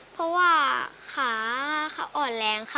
เพราะว่าขาเขาอ่อนแรงค่ะ